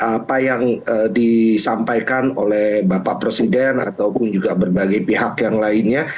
apa yang disampaikan oleh bapak presiden ataupun juga berbagai pihak yang lainnya